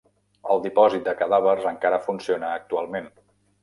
El dipòsit de cadàvers encara funciona actualment.